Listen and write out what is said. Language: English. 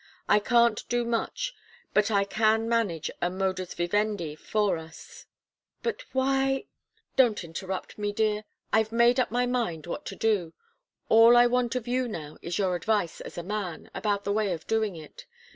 I can't do much, but I can manage a 'modus vivendi' for us " "But why " "Don't interrupt me, dear! I've made up my mind what to do. All I want of you now, is your advice as a man, about the way of doing it.